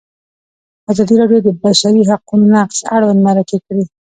ازادي راډیو د د بشري حقونو نقض اړوند مرکې کړي.